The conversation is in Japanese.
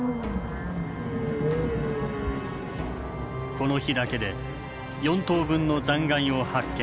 この日だけで４頭分の残骸を発見。